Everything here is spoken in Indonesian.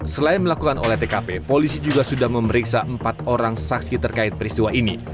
selain melakukan oleh tkp polisi juga sudah memeriksa empat orang saksi terkait peristiwa ini